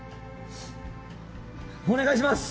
お願いします！